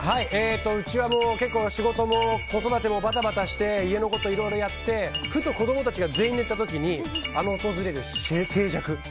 うちは結構仕事も子育てもバタバタして家のこと、いろいろやってふと子供たちが全員寝た時に訪れる静寂。